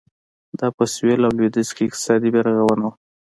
دا په سوېل او لوېدیځ کې اقتصادي بیارغونه وه.